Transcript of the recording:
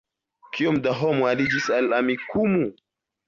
Kiom da homoj aliĝis al Amikumu?